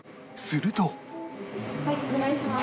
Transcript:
すると